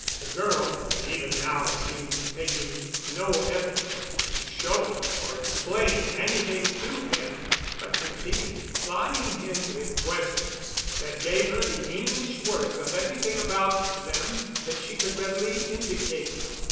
The girl, even now, seemed making no effort to show or explain anything to him, but continued plying him with questions that gave her the English words of everything about them that she could readily indicate.